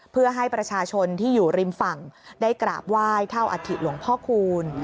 เพื่อให้ประชาชนที่อยู่ริมฝั่งได้กราบไหว้เท่าอัฐิหลวงพ่อคูณ